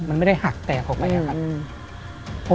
มันไม่ได้หักแตกออกไปครับ